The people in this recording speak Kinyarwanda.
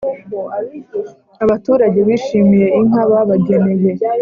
abaturage bishimiye inka babageneye